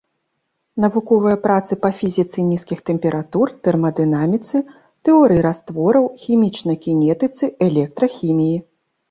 Навуковыя працы па фізіцы нізкіх тэмператур, тэрмадынаміцы, тэорыі раствораў, хімічнай кінетыцы, электрахіміі.